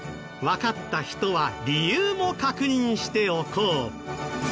わかった人は理由も確認しておこう。